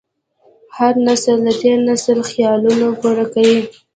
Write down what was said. هر نسل د تېر نسل خیالونه پوره کوي.